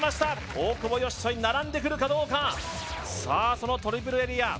大久保嘉人に並んでくるかどうかさあそのトリプルエリア